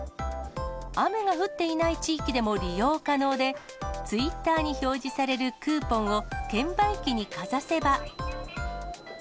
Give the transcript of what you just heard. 雨が降っていない地域でも利用可能で、ツイッターに表示されるクーポンを券売機にかざせば。